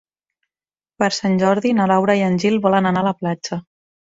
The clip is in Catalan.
Per Sant Jordi na Laura i en Gil volen anar a la platja.